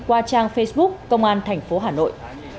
qua trang facebook công an tp hà nội